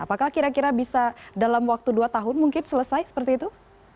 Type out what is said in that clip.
apakah kira kira bisa dalam waktu dua tahun mungkin selesai seperti itu